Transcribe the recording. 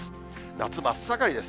夏真っ盛りです。